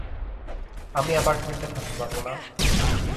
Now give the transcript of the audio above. আমি অ্যাপার্টমেন্টে থাকতে পারবো না।